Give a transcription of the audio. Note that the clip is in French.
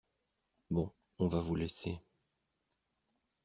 Bon, on va vous laisser...